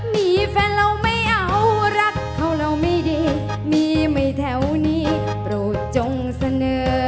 มีแฟนเราไม่เอารักเขาเราไม่ดีมีไม่แถวนี้โปรดจงเสนอ